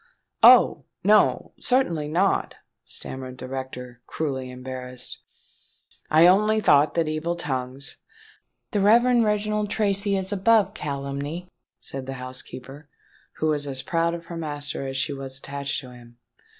"Oh! no—certainly not," stammered the rector, cruelly embarrassed: "I only thought that evil tongues——" "The Reverend Reginald Tracy is above calumny," said the housekeeper, who was as proud of her master as she was attached to him.